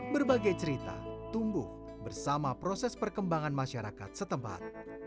berbagai cerita tumbuh bersama proses perkembangan masyarakat setempat